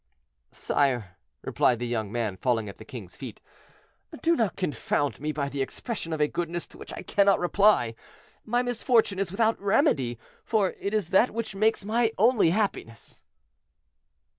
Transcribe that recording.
"Sire," replied the young man, falling at the king's feet, "do not confound me by the expression of a goodness to which I cannot reply. My misfortune is without remedy, for it is that which makes my only happiness."